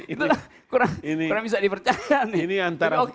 itulah kurang bisa dipercaya